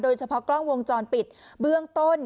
เฉพาะกล้องวงจรปิดเบื้องต้น